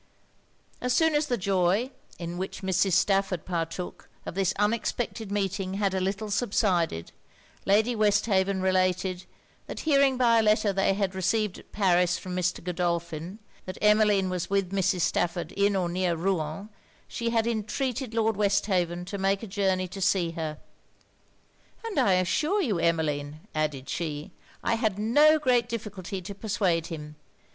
As soon as the joy (in which Mrs. Stafford partook,) of this unexpected meeting had a little subsided, Lady Westhaven related, that hearing by a letter they had received at Paris from Mr. Godolphin, that Emmeline was with Mrs. Stafford in or near Rouen, she had entreated Lord Westhaven to make a journey to see her. 'And I assure you Emmeline,' added she, 'I had no great difficulty to persuade him.